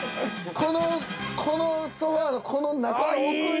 このこのソファのこの中の奥に。